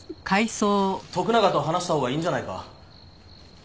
徳永と話したほうがいいんじゃないか？